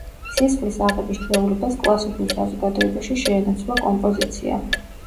სისხლის აღების ჩვეულებას კლასობრივ საზოგადოებაში შეენაცვლა კომპოზიცია.